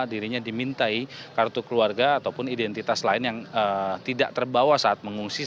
dirinya dimintai kartu keluarga ataupun identitas lain yang tidak terbawa saat mengungsi